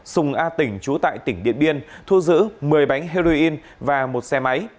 sùng a tỉnh trú tại tỉnh điện biên thu giữ một mươi bánh heroin và một xe máy